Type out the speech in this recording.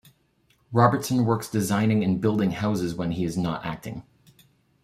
Robertson works designing and building houses when he is not acting.